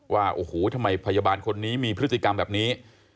ว่าโอ้โหทำไมพยาบาลคนนี้มีพฤติกรรมแบบนี้